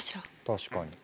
確かに。